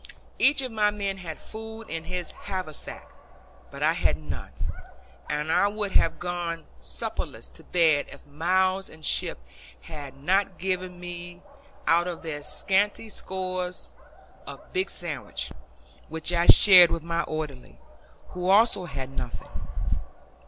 Each of my men had food in his haversack, but I had none, and I would have gone supperless to bed if Mills and Shipp had not given me out of their scanty stores a big sandwich, which I shared with my orderly, who also had nothing.